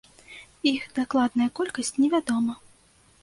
Іх дакладная колькасць невядома.